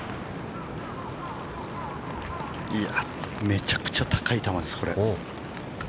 ◆めちゃくちゃ高い球です、これ。